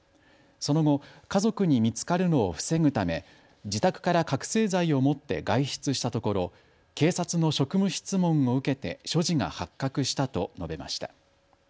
その後、家族に見つかるのを防ぐため自宅から覚醒剤を持って外出したところ警察の職務質問を受けて所持が発覚したと述べました。